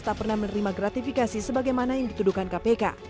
tak pernah menerima gratifikasi sebagaimana yang dituduhkan kpk